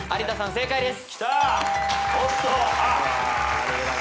正解です。